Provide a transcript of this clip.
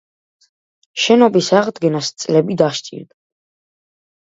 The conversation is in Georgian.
შენობის აღდგენას წლები დასჭირდა.